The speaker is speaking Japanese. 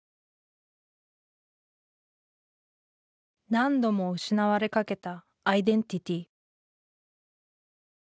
何度も失われかけたアイデンティティー。